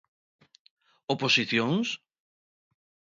¿Oposicións?